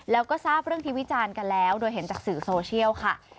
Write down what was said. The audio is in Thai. แล้วก็ทราบเรื่องที่วิจารณ์กันแล้วโดยเห็นจากสื่อโซเชียลค่ะ